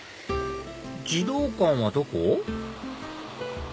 児童館はどこ？